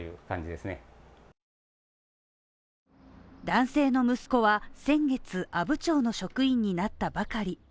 男性の息子は先月、阿武町の職員になったばかり。